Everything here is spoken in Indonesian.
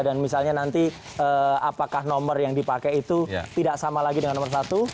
dan misalnya nanti apakah nomor yang dipakai itu tidak sama lagi dengan nomor satu